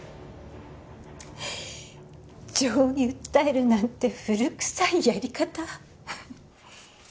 情に訴えるなんて古くさいやり方。